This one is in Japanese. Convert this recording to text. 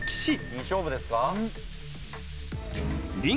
いい勝負ですか？